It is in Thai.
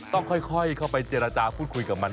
ต้องค่อยเข้าไปเจรจาพูดคุยกับมัน